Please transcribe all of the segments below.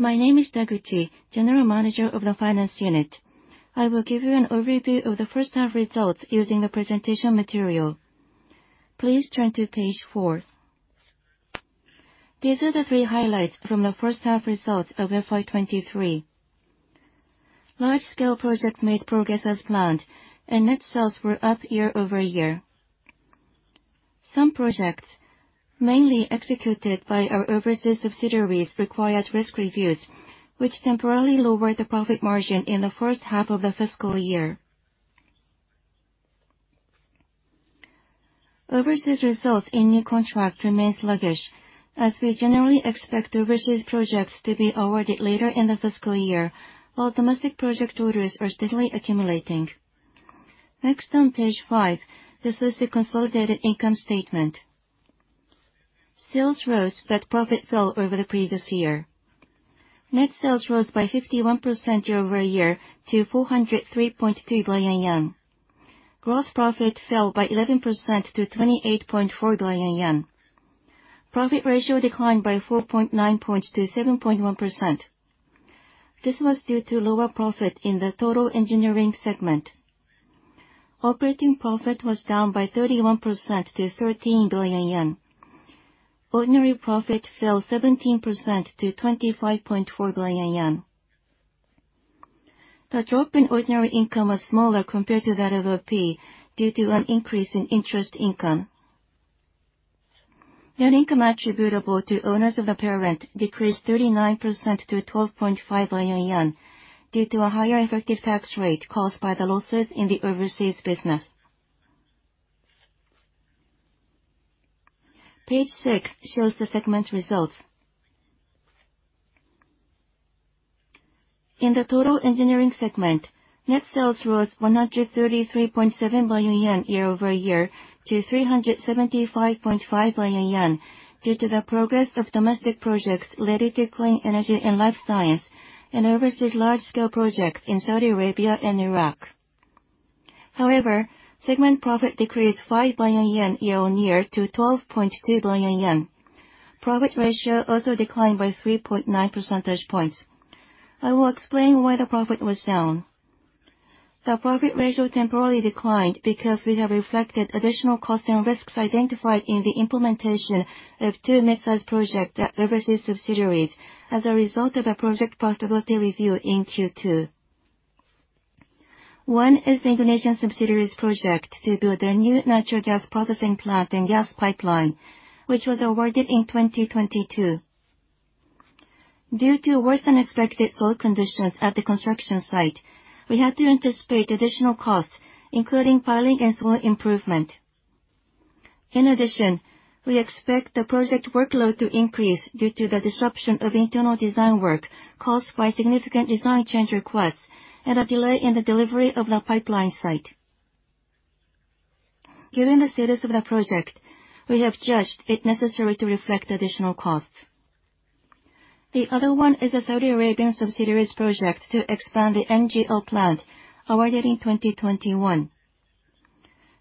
My name is Taguchi, General Manager of the Finance Unit. I will give you an overview of the first half results using the presentation material. Please turn to page 4. These are the three highlights from the first half results of FY 2023. Large scale projects made progress as planned, and net sales were up year over year. Some projects, mainly executed by our overseas subsidiaries, required risk reviews, which temporarily lowered the profit margin in the first half of the fiscal year. Overseas results in new contracts remain sluggish, as we generally expect overseas projects to be awarded later in the fiscal year, while domestic project orders are steadily accumulating. Next, on page 5, this is the consolidated income statement. Sales rose, but profit fell over the previous year. Net sales rose by 51% year-over-year to 403.3 billion yen. Gross profit fell by 11%, to 28.4 billion yen. Profit ratio declined by 4.9 points to 7.1%. This was due to lower profit in the total engineering segment. Operating profit was down by 31%, to 13 billion yen. Ordinary profit fell 17%, to 25.4 billion yen. The drop in ordinary income was smaller compared to that of OP, due to an increase in interest income. Net income attributable to owners of the parent decreased 39%, to 12.5 billion yen, due to a higher effective tax rate caused by the losses in the overseas business. Page six shows the segment results. In the total engineering segment, net sales rose 133.7 billion yen year-over-year to 375.5 billion yen, due to the progress of domestic projects related to clean energy and life science, and overseas large-scale project in Saudi Arabia and Iraq. However, segment profit decreased 5 billion yen year-on-year to 12.2 billion yen. Profit ratio also declined by 3.9 percentage points. I will explain why the profit was down. The profit ratio temporarily declined because we have reflected additional costs and risks identified in the implementation of two midsize project at overseas subsidiaries as a result of a project profitability review in Q2. One is the Indonesian subsidiaries project to build a new natural gas processing plant and gas pipeline, which was awarded in 2022. Due to worse-than-expected soil conditions at the construction site, we had to anticipate additional costs, including piling and soil improvement. In addition, we expect the project workload to increase due to the disruption of internal design work caused by significant design change requests and a delay in the delivery of the pipeline site. Given the status of the project, we have judged it necessary to reflect additional costs. The other one is a Saudi Arabian subsidiary's project to expand the NGL plant, awarded in 2021.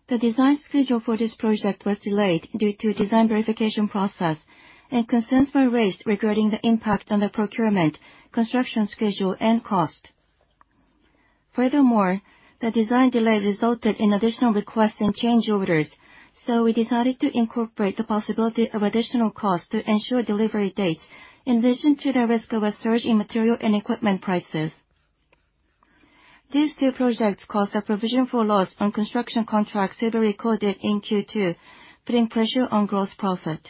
The design schedule for this project was delayed due to design verification process and concerns were raised regarding the impact on the procurement, construction schedule and cost. Furthermore, the design delay resulted in additional requests and change orders, so we decided to incorporate the possibility of additional costs to ensure delivery dates, in addition to the risk of a surge in material and equipment prices. These two projects caused a provision for loss on construction contracts to be recorded in Q2, putting pressure on gross profit.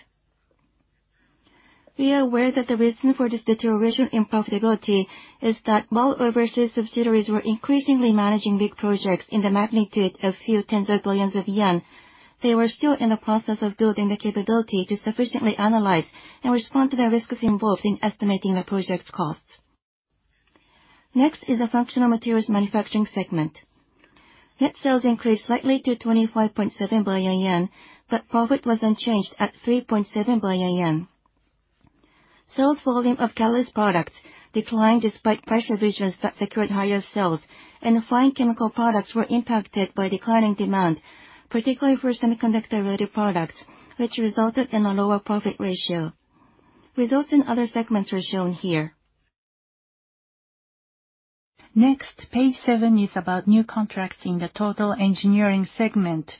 We are aware that the reason for this deterioration in profitability is that while overseas subsidiaries were increasingly managing big projects in the magnitude of few tens of billions JPY, they were still in the process of building the capability to sufficiently analyze and respond to the risks involved in estimating the project's costs. Next is the functional materials manufacturing segment. Net sales increased slightly to 25.7 billion yen, but profit was unchanged at 3.7 billion yen. Sold volume of catalyst products declined despite price revisions that secured higher sales and fine chemical products were impacted by declining demand, particularly for semiconductor-related products, which resulted in a lower profit ratio. Results in other segments are shown here. Next, page seven is about new contracts in the total engineering segment.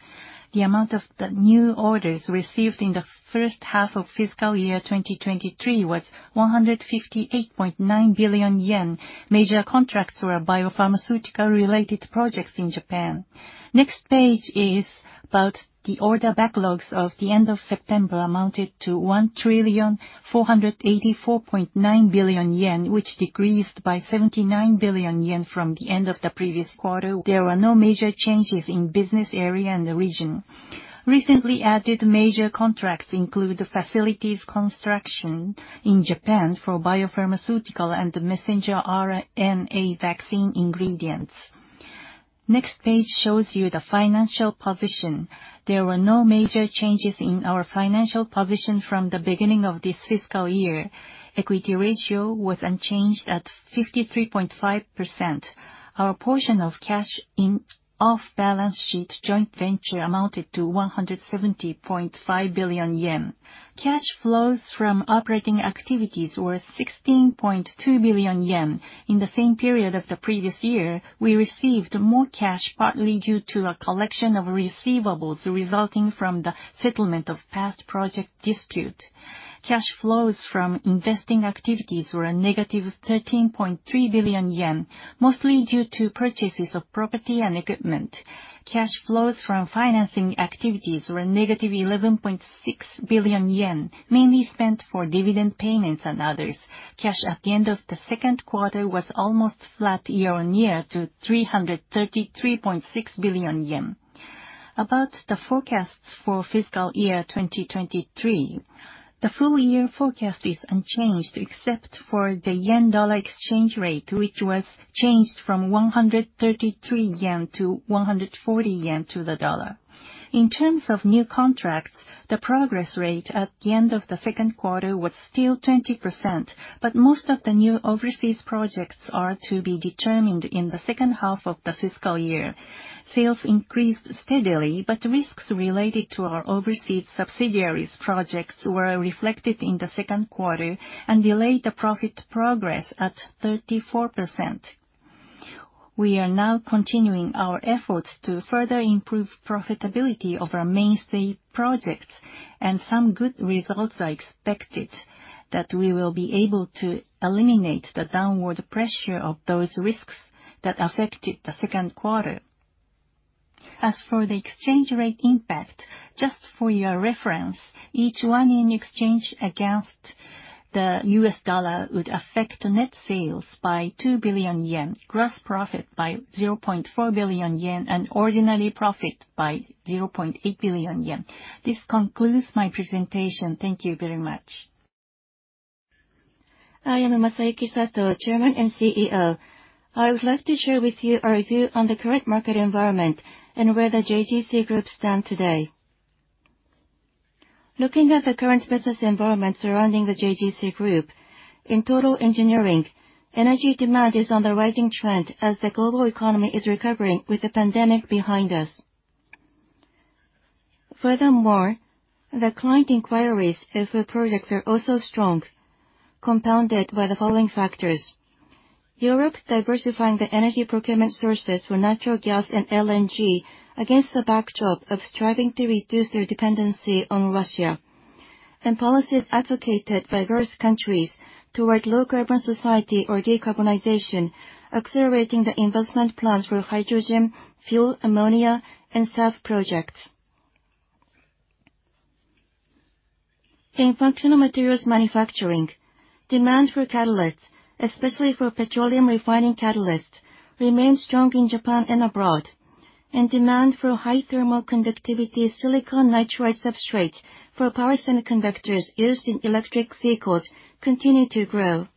The amount of the new orders received in the first half of fiscal year 2023 was 158.9 billion yen. Major contracts were biopharmaceutical-related projects in Japan. Next page is about the order backlogs of the end of September, amounted to 1,484.9 billion yen, which decreased by 79 billion yen from the end of the previous quarter. There were no major changes in business area and the region. Recently added major contracts include the facilities construction in Japan for biopharmaceutical and the messenger RNA vaccine ingredients. Next page shows you the financial position. There were no major changes in our financial position from the beginning of this fiscal year. Equity ratio was unchanged at 53.5%. Our portion of cash in off-balance sheet joint venture amounted to 170.5 billion yen. Cash flows from operating activities were 16.2 billion yen. In the same period of the previous year, we received more cash, partly due to a collection of receivables resulting from the settlement of past project dispute. Cash flows from investing activities were a negative 13.3 billion yen, mostly due to purchases of property and equipment. Cash flows from financing activities were a negative 11.6 billion yen, mainly spent for dividend payments and others. Cash at the end of the second quarter was almost flat year-over-year to 333.6 billion yen. About the forecasts for fiscal year 2023, the full-year forecast is unchanged, except for the yen-dollar exchange rate, which was changed from 133 yen to 140 yen to the dollar. In terms of new contracts, the progress rate at the end of the second quarter was still 20%, but most of the new overseas projects are to be determined in the second half of the fiscal year. Sales increased steadily, but risks related to our overseas subsidiaries' projects were reflected in the second quarter and delayed the profit progress at 34%. We are now continuing our efforts to further improve profitability of our mainstay projects, and some good results are expected that we will be able to eliminate the downward pressure of those risks that affected the second quarter. As for the exchange rate impact, just for your reference, each one in exchange against the U.S. dollar would affect net sales by 2 billion yen, gross profit by 0.4 billion yen, and ordinary profit by 0.8 billion yen. This concludes my presentation. Thank you very much. I am Masayuki Sato, Chairman and CEO. I would like to share with you our view on the current market environment and where the JGC Group stand today. Looking at the current business environment surrounding the JGC Group, in total engineering, energy demand is on the rising trend as the global economy is recovering with the pandemic behind us. Furthermore, the client inquiries and for projects are also strong, compounded by the following factors: Europe diversifying the energy procurement sources for natural gas and LNG against the backdrop of striving to reduce their dependency on Russia, and policies advocated by various countries toward low carbon society or decarbonization, accelerating the investment plans for hydrogen, fuel ammonia, and SAF projects. In functional materials manufacturing, demand for catalysts, especially for petroleum refining catalysts, remain strong in Japan and abroad, and demand for high thermal conductivity silicon nitride substrates for power semiconductors used in electric vehicles continue to grow.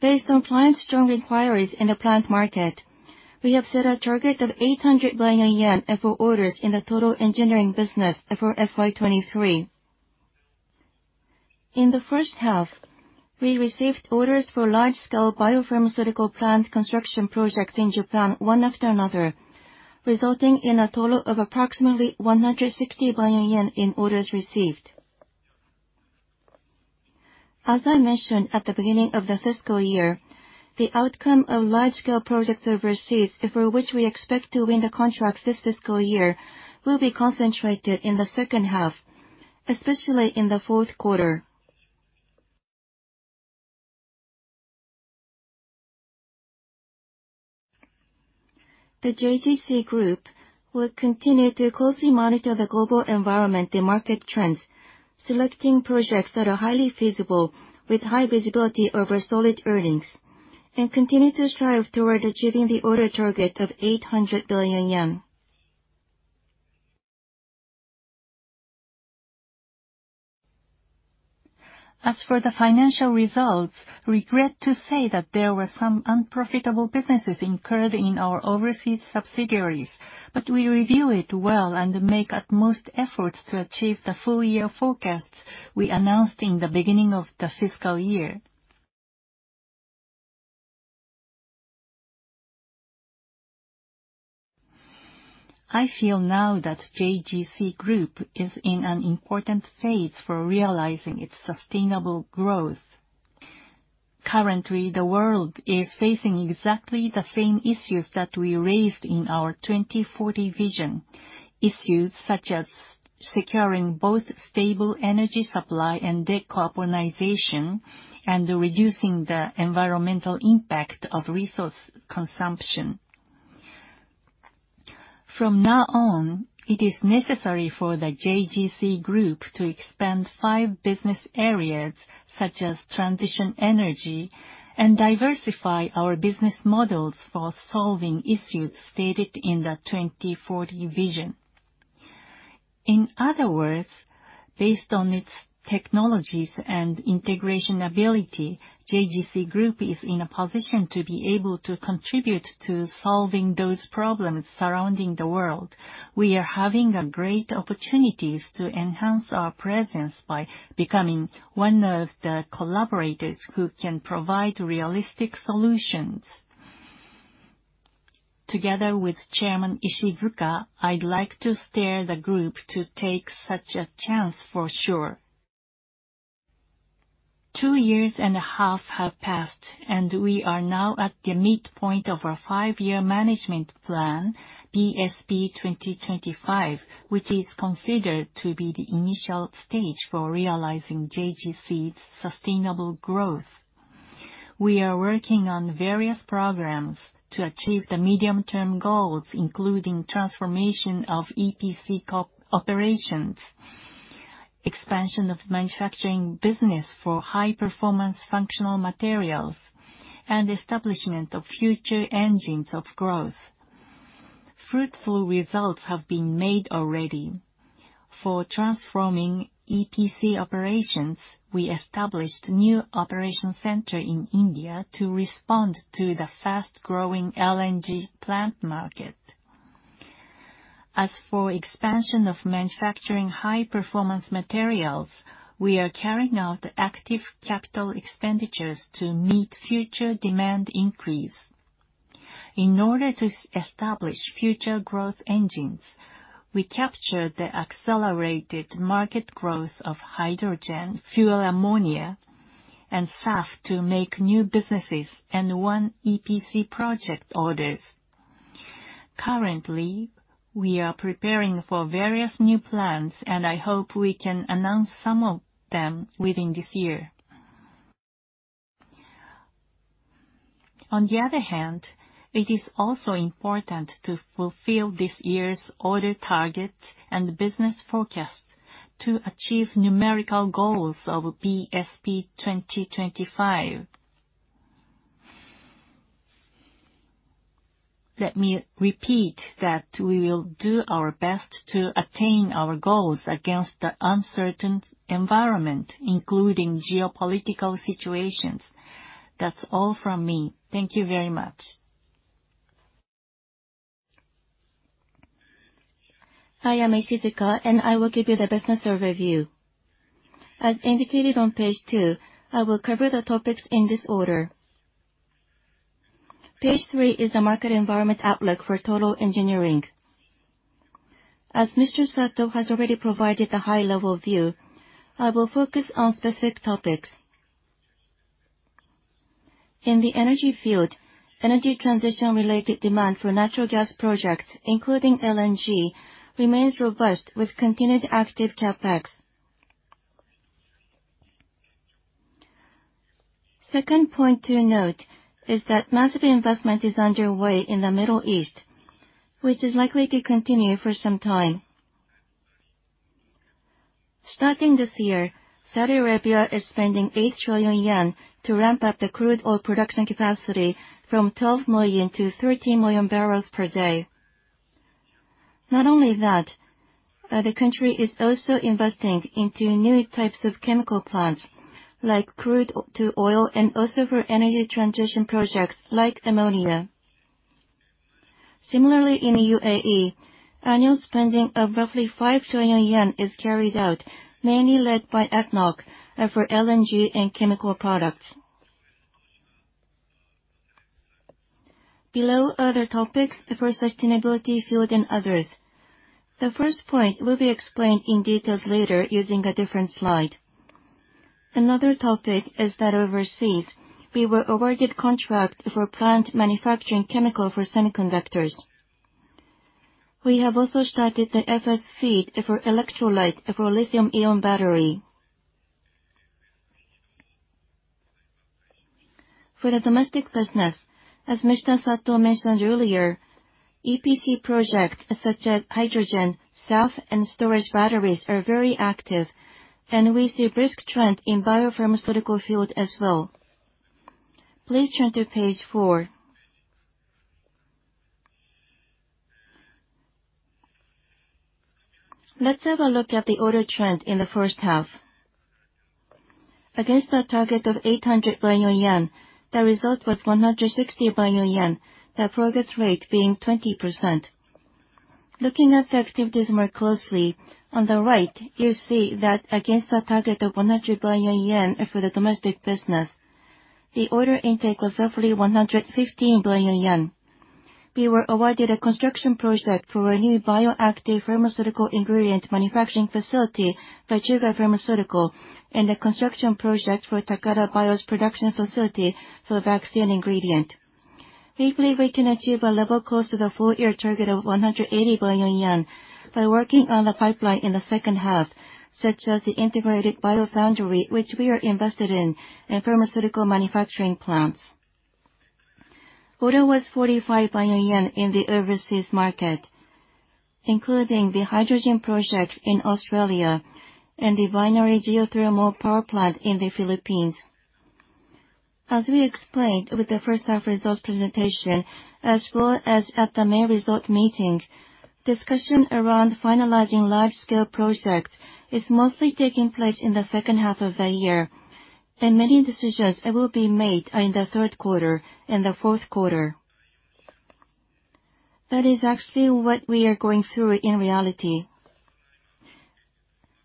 Based on clients' strong inquiries in the plant market, we have set a target of 800 billion yen and for orders in the total engineering business for FY 2023. In the first half, we received orders for large-scale biopharmaceutical plant construction projects in Japan, one after another, resulting in a total of approximately 160 billion yen in orders received. As I mentioned at the beginning of the fiscal year, the outcome of large-scale projects overseas, and for which we expect to win the contracts this fiscal year, will be concentrated in the second half, especially in the fourth quarter. The JGC Group will continue to closely monitor the global environment and market trends, selecting projects that are highly feasible with high visibility over solid earnings, and continue to strive toward achieving the order target of 800 billion yen. As for the financial results, regret to say that there were some unprofitable businesses incurred in our overseas subsidiaries, but we review it well and make utmost efforts to achieve the full year forecasts we announced in the beginning of the fiscal year. I feel now that JGC Group is in an important phase for realizing its sustainable growth. Currently, the world is facing exactly the same issues that we raised in our 2040 Vision. Issues such as securing both stable energy supply and decarbonization, and reducing the environmental impact of resource consumption. From now on, it is necessary for the JGC Group to expand five business areas, such as transition energy, and diversify our business models for solving issues stated in the 2040 Vision. In other words, based on its technologies and integration ability, JGC Group is in a position to be able to contribute to solving those problems surrounding the world. We are having a great opportunities to enhance our presence by becoming one of the collaborators who can provide realistic solutions.... Together with Chairman Ishizuka, I'd like to steer the group to take such a chance for sure. 2 years and a half have passed, and we are now at the midpoint of our 5-year management plan, BSP 2025, which is considered to be the initial stage for realizing JGC's sustainable growth. We are working on various programs to achieve the medium-term goals, including transformation of EPC operations, expansion of manufacturing business for high-performance functional materials, and establishment of future engines of growth. Fruitful results have been made already. For transforming EPC operations, we established new operation center in India to respond to the fast-growing LNG plant market. As for expansion of manufacturing high-performance materials, we are carrying out active capital expenditures to meet future demand increase. In order to establish future growth engines, we captured the accelerated market growth of hydrogen, fuel ammonia, and SAF to make new businesses and won EPC project orders. Currently, we are preparing for various new plans, and I hope we can announce some of them within this year. On the other hand, it is also important to fulfill this year's order target and business forecasts to achieve numerical goals of BSP 2025. Let me repeat that we will do our best to attain our goals against the uncertain environment, including geopolitical situations. That's all from me. Thank you very much. I am Ishizuka, and I will give you the business overview. As indicated on page 2, I will cover the topics in this order. Page 3 is the market environment outlook for total engineering. As Mr. Sato has already provided the high-level view, I will focus on specific topics. In the energy field, energy transition-related demand for natural gas projects, including LNG, remains robust, with continued active CapEx. Second point to note is that massive investment is underway in the Middle East, which is likely to continue for some time. Starting this year, Saudi Arabia is spending 8 trillion yen to ramp up the crude oil production capacity from 12 million to 13 million barrels per day. Not only that, the country is also investing into new types of chemical plants, like crude-to-oil, and also for energy transition projects like ammonia. Similarly, in the UAE, annual spending of roughly 5 trillion yen is carried out, mainly led by ADNOC for LNG and chemical products. Below are the topics for sustainability field and others. The first point will be explained in detail later using a different slide. Another topic is that overseas, we were awarded contract for plant manufacturing chemical for semiconductors. We have also started the FS and FEED for electrolyte for lithium-ion battery. For the domestic business, as Mr. Sato mentioned earlier, EPC projects such as hydrogen, SAF, and storage batteries are very active, and we see brisk trend in biopharmaceutical field as well. Please turn to page 4. Let's have a look at the order trend in the first half. Against the target of 800 billion yen, the result was 160 billion yen, the progress rate being 20%. Looking at the activities more closely, on the right, you see that against the target of 100 billion yen for the domestic business, the order intake was roughly 115 billion yen. We were awarded a construction project for a new bioactive pharmaceutical ingredient manufacturing facility by Chugai Pharmaceutical, and a construction project for Takeda Bio's production facility for vaccine ingredient. We believe we can achieve a level close to the full-year target of 180 billion yen by working on the pipeline in the second half, such as the integrated bio foundry, which we are invested in, and pharmaceutical manufacturing plants. Order was 45 billion yen in the overseas market, including the hydrogen project in Australia and the binary geothermal power plant in the Philippines. As we explained with the first half results presentation, as well as at the main result meeting, discussion around finalizing large-scale projects is mostly taking place in the second half of the year, and many decisions that will be made are in the third quarter and the fourth quarter. That is actually what we are going through in reality.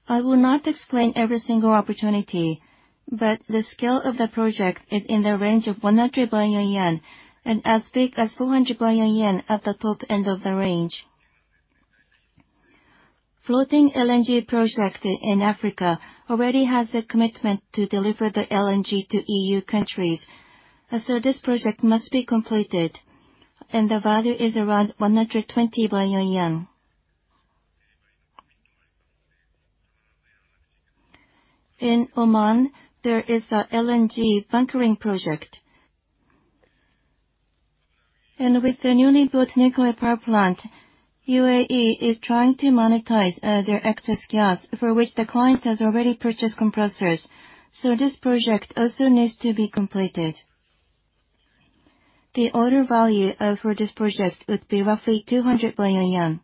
I will not ex plain every single opportunity, but the scale of the project is in the range of 100 billion yen, and as big as 400 billion yen at the top end of the range. Floating LNG project in Africa already has a commitment to deliver the LNG to EU countries, and so this project must be completed, and the value is around 120 billion yen. In Oman, there is a LNG bunkering project. With the newly built nuclear power plant, UAE is trying to monetize their excess gas, for which the client has already purchased compressors, so this project also needs to be completed. The order value for this project would be roughly 200 billion yen.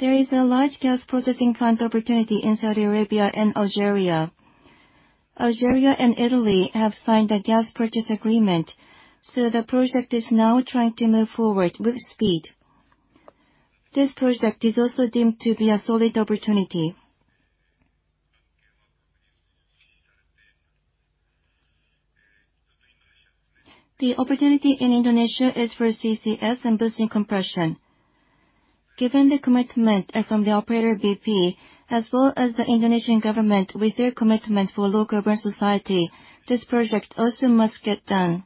There is a large-scale processing plant opportunity in Saudi Arabia and Algeria. Algeria and Italy have signed a gas purchase agreement, so the project is now trying to move forward with speed. This project is also deemed to be a solid opportunity. The opportunity in Indonesia is for CCS and boosting compression. Given the commitment from the operator, BP, as well as the Indonesian government with their commitment for low carbon society, this project also must get done.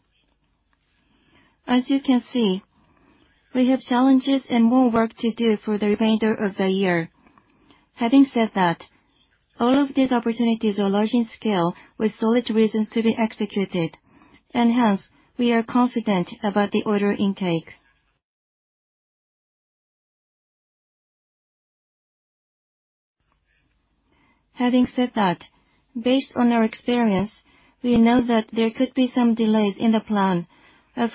As you can see, we have challenges and more work to do for the remainder of the year. Having said that, all of these opportunities are large in scale with solid reasons to be executed, and hence, we are confident about the order intake. Having said that, based on our experience, we know that there could be some delays in the plan.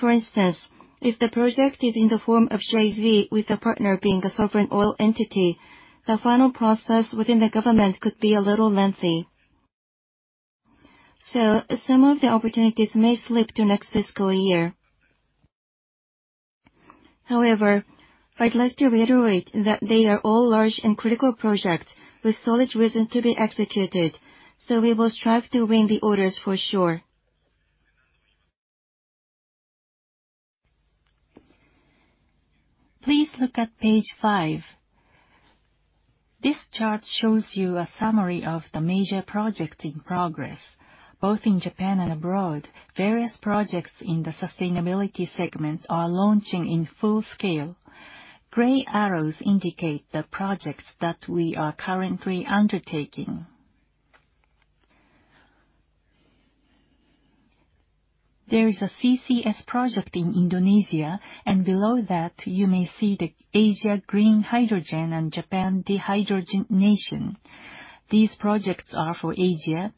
For instance, if the project is in the form of JV, with the partner being a sovereign oil entity, the final process within the government could be a little lengthy. So some of the opportunities may slip to next fiscal year. However, I'd like to reiterate that they are all large and critical projects with solid reasons to be executed, so we will strive to win the orders for sure. Please look at page 5. This chart shows you a summary of the major projects in progress, both in Japan and abroad. Various projects in the sustainability segment are launching in full scale. Gray arrows indicate the projects that we are currently undertaking. There is a CCS project in Indonesia, and below that, you may see the Asia Green Hydrogen and Japan Dehydrogenation. These projects are for Asia.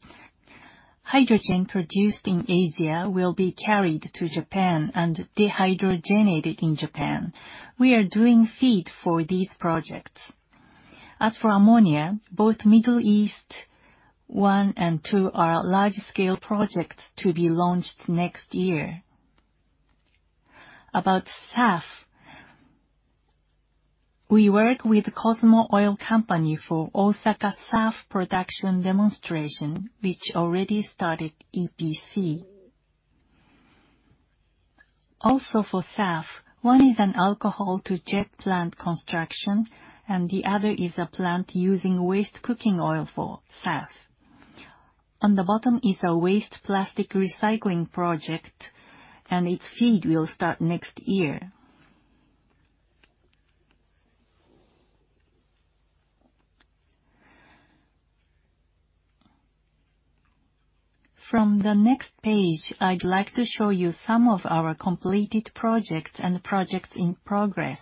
Hydrogen produced in Asia will be carried to Japan and dehydrogenated in Japan. We are doing FEED for these projects. As for ammonia, both Middle East one and two are large-scale projects to be launched next year. About SAF, we work with Cosmo Oil Company for Osaka SAF production demonstration, which already started EPC. Also, for SAF, one is an Alcohol-to-jet plant construction, and the other is a plant using waste cooking oil for SAF. On the bottom is a waste plastic recycling project, and its FEED will start next year. From the next page, I'd like to show you some of our completed projects and the projects in progress.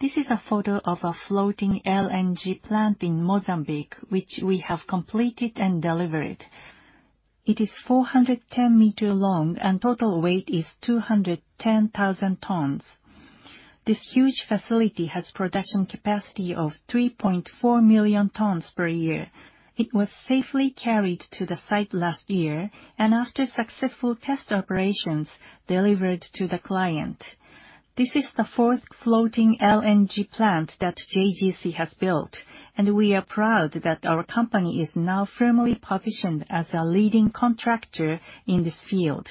This is a photo of a floating LNG plant in Mozambique, which we have completed and delivered. It is 410 meters long and total weight is 210,000 tons. This huge facility has production capacity of 3.4 million tons per year. It was safely carried to the site last year, and after successful test operations, delivered to the client. This is the fourth floating LNG plant that JGC has built, and we are proud that our company is now firmly positioned as a leading contractor in this field.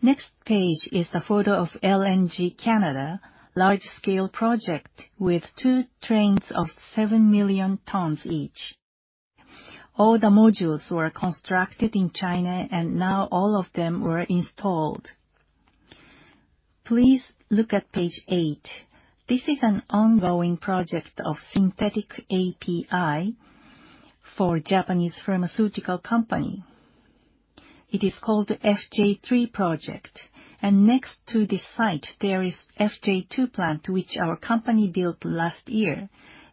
Next page is the photo of LNG Canada, large-scale project with two trains of 7 million tons each. All the modules were constructed in China, and now all of them were installed. Please look at page 8. This is an ongoing project of synthetic API for a Japanese pharmaceutical company. It is called FJ3 project, and next to this site, there is FJ2 plant, which our company built last year.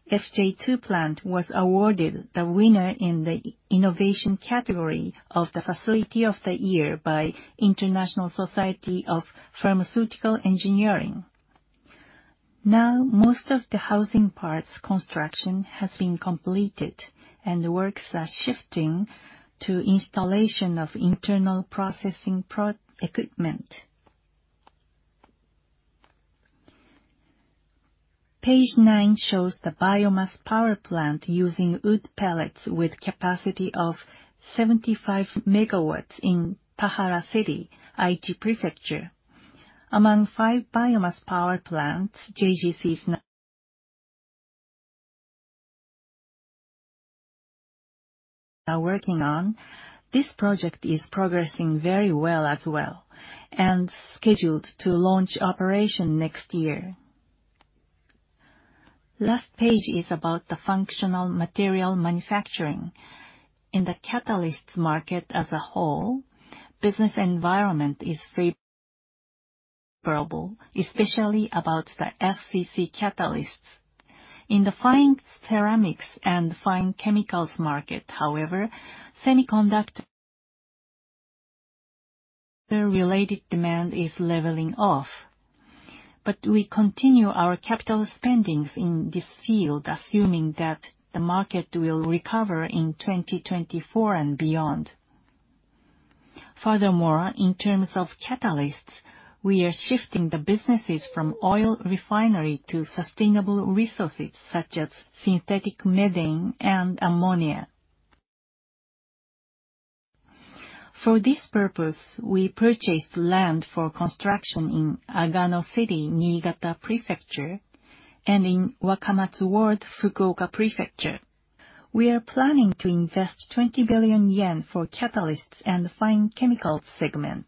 FJ2 plant was awarded the winner in the innovation category of the Facility of the Year by International Society for Pharmaceutical Engineering. Now, most of the housing parts construction has been completed, and the works are shifting to installation of internal processing equipment. Page 9 shows the biomass power plant using wood pellets with capacity of 75 megawatts in Tahara City, Aichi Prefecture. Among 5 biomass power plants JGC is now working on, this project is progressing very well as well and scheduled to launch operation next year. Last page is about the functional material manufacturing. In the catalysts market as a whole, business environment is favorable, especially about the FCC catalysts. In the fine ceramics and fine chemicals market, however, semiconductor-related demand is leveling off, but we continue our capital spendings in this field, assuming that the market will recover in 2024 and beyond. Furthermore, in terms of catalysts, we are shifting the businesses from oil refinery to sustainable resources, such as synthetic methane and ammonia. For this purpose, we purchased land for construction in Agano City, Niigata Prefecture, and in Wakamatsu Ward, Fukuoka Prefecture. We are planning to invest 20 billion yen for catalysts and fine chemicals segment.